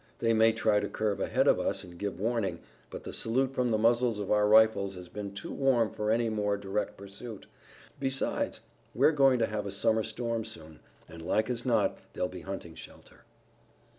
They may try to curve ahead of us and give warning, but the salute from the muzzles of our rifles has been too warm for any more direct pursuit. Besides, we're going to have a summer storm soon, and like as not they'll be hunting shelter."